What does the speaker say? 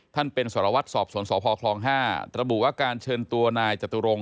ท่านเป็นสารวัตรสอบสวนสพคลอง๕ระบุว่าการเชิญตัวนายจตุรงค